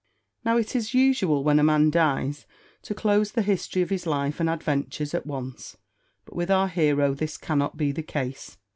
Now, it is usual, when a man dies, to close the history of his life and adventures at once; but with our hero this cannot be the case.